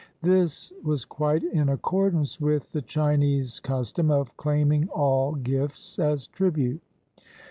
This was quite in accordance with the Chinese custom of claiming all gifts as tribute.